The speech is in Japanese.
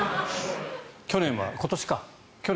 去年は今年か。